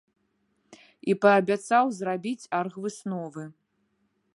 І паабяцаў зрабіць аргвысновы.